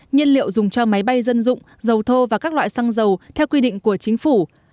nhiên liệu dùng cho máy bay dân dụng dầu thô và các loại xăng dầu theo quy định của chính phủ